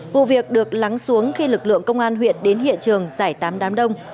vụ việc được lắng xuống khi lực lượng công an huyện đến hiện trường giải tám đám đông